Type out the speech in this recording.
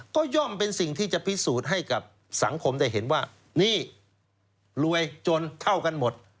ก็ย่อมเป็นสิ่งที่จะพิสูจน์ให้กับสังคมได้เห็นว่านี่รวยจนเท่ากันหมด